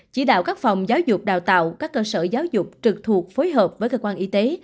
chỉ đạo các phòng giáo dục đào tạo các cơ sở giáo dục trực thuộc phối hợp với cơ quan y tế